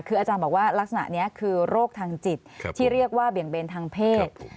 คืออาจารย์บอกว่าลักษณะนี้คือโรคทางจิตที่เรียกว่าเบี่ยงเบนทางเพศ